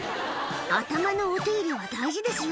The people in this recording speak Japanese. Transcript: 「頭のお手入れは大事ですよ